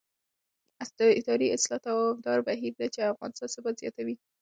اداري اصلاح دوامداره بهیر دی چې د افغانستان ثبات زیاتوي